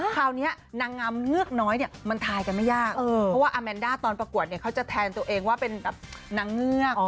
คราวนี้นางงามเงือกน้อยเนี่ยมันทายกันไม่ยากเพราะว่าอาแมนด้าตอนประกวดเนี่ยเขาจะแทนตัวเองว่าเป็นแบบนางเงือก